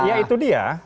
ya itu dia